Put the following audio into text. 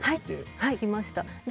書きました。